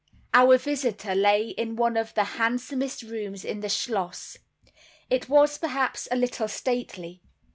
Our visitor lay in one of the handsomest rooms in the schloss. It was, perhaps, a little stately.